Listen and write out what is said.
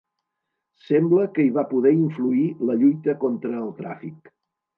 Sembla que hi va poder influir la lluita contra el tràfic.